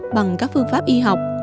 bằng các phương pháp y học